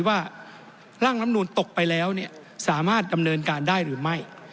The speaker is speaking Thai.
ว่าร่างลำนูนตกไปแล้วสามารถดำเนินการได้หรือไม่